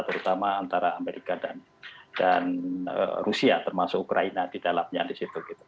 terutama antara amerika dan rusia termasuk ukraina di dalamnya di situ